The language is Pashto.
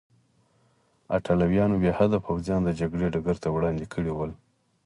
ایټالویانو بې حده پوځیان د جګړې ډګر ته راوړاندې کړي وو.